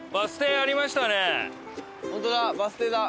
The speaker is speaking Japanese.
ホントだバス停だ。